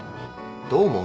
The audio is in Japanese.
どう思う？